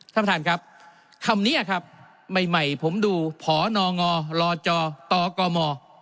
ท่านประธานครับคำนี้ครับใหม่ผมดูพนงลจตกม